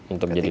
untuk jadi pdip